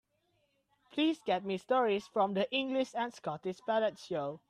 Please get me Stories from the English and Scottish Ballads show.